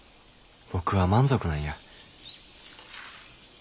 僕は満足なんや。